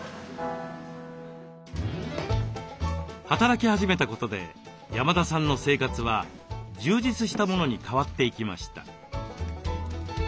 働き始めたことで山田さんの生活は充実したものに変わっていきました。